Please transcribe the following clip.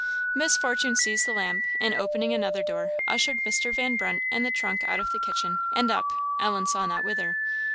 Miss Fortune seized the lamp, and, opening another door, ushered Mr. Van Brunt and the trunk out of the kitchen, and up Ellen saw not whither.